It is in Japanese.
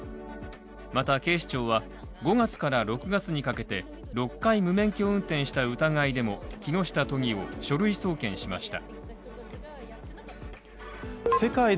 また、警視庁は、５月から６月にかけて、６回無免許運転した疑いでも木下都議を書類送検しました。